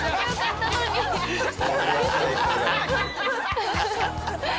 ハハハハハ！